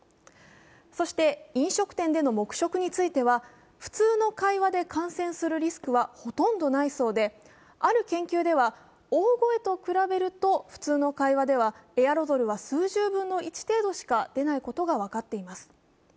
そして飲食店での黙食については普通の会話で感染するリスクはほとんどないそうである研究では大声と比べると普通の会話ではエアロゾルは数十分の１しか出ないことが分かっています。